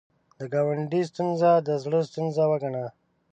د ګاونډي ستونزه د زړه ستونزه وګڼه